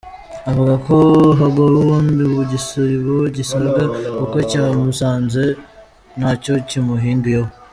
Avuga ko hagowe wawundi igisibo gisiga uko cya musanze ntacyo kimuhinduyeho.